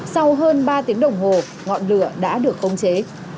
sau hơn ba tiếng đồng hồ ngọn lửa đã được khống chế